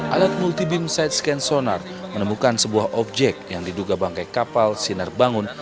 alat multi beam side scan sonar menemukan sebuah objek yang diduga bangkai kapal sinar bangun